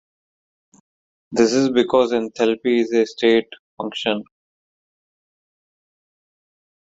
This is because enthalpy is a state function.